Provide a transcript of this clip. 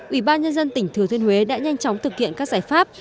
ủy ban nhân dân tỉnh thừa thiên huế đã nhanh chóng thực hiện các giải pháp